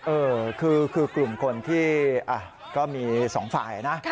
เออคือกลุ่มคนที่ก็มีสองฝ่ายนะ